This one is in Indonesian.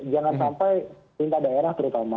jangan sampai perintah daerah terutama